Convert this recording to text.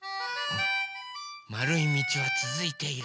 まるいみちはつづいている。